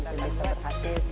jadi itu berhasil